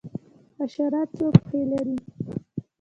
حشرات څو پښې لري؟